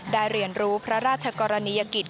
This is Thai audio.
เรียนรู้พระราชกรณียกิจ